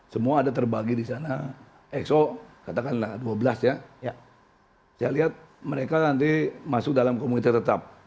semua ada terbagi di sana exo katakanlah dua belas ya saya lihat mereka nanti masuk dalam komunitas tetap